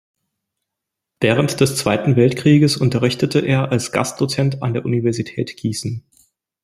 Während des Zweiten Weltkriegs unterrichtete er als Gastdozent an der Universität Gießen.